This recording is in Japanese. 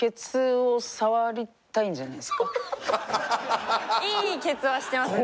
いいケツはしてますよね。